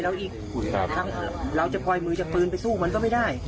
หรือเราจะปล่อยปืนเต้าไม่ได้